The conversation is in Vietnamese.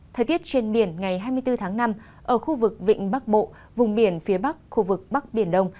thời tiết trên biển ngày hai mươi bốn tháng năm ở khu vực vịnh bắc bộ vùng biển phía bắc khu vực bắc biển đông